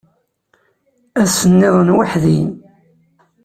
Ass-nniḍen weḥd-i.